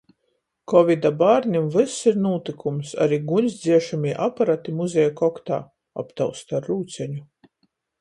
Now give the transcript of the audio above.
Kovida bārnim vyss ir nūtykums. Ari guņsdziešamī aparati muzeja koktā. Aptausta ar rūceņu.